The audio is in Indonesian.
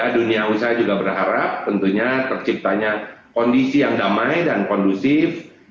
dunia usaha juga berharap tentunya terciptanya kondisi yang damai dan kondusif